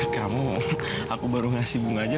kamu aku baru ngasih bunga aja